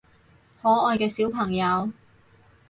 可愛嘅小朋友